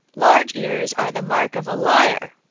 Large ears are a mark of a liar.